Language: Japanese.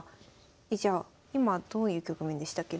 えじゃあ今どういう局面でしたっけ。